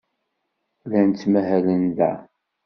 Llan ttmahalen da.